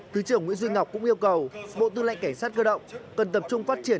thứ trưởng nguyễn duy ngọc cũng yêu cầu bộ tư lệnh cảnh sát cơ động cần tập trung phát triển